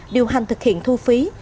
điều hành thực hiện thu phí